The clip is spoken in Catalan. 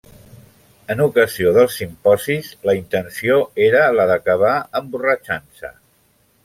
En ocasió dels simposis la intenció era la d’acabar emborratxant-se.